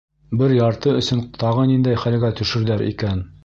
Бер ярты өсөн тағы ниндәй хәлгә төшөрҙәр икән?